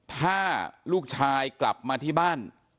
ถ้าลูกชายกลับมาที่บ้าน